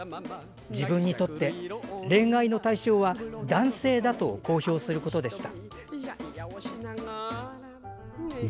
自分にとって恋愛の対象は男性だと公表することでした。